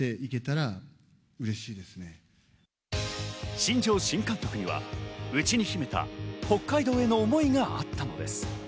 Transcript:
新庄新監督には内に秘めた北海道への思いがあったんです。